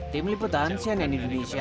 tim liputan cnn indonesia